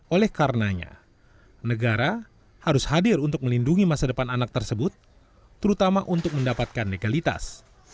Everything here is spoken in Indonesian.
oleh karenanya negara harus hadir untuk melindungi masa depan anak tersebut terutama untuk mendapatkan legalitas